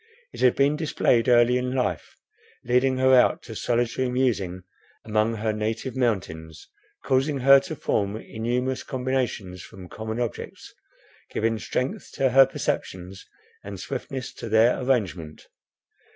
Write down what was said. It had been displayed early in life, leading her out to solitary musing among her native mountains, causing her to form innumerous combinations from common objects, giving strength to her perceptions, and swiftness to their arrangement.